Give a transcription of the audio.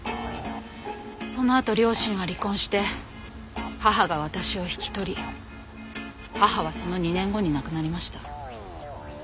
そのあと両親は離婚して母が私を引き取り母はその２年後に亡くなりました。